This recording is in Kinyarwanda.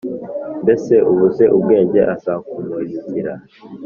mbese ubuze ubwenge? azakumurikira